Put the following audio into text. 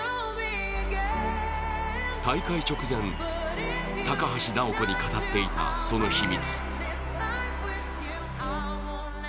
大会直前、高橋尚子に語っていた、その秘密。